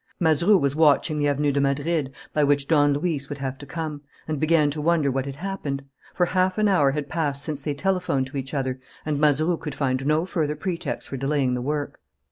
Mazeroux was watching the Avenue de Madrid, by which Don Luis would have to come, and began to wonder what had happened; for half an hour had passed since they telephoned to each other, and Mazeroux could find no further pretext for delaying the work.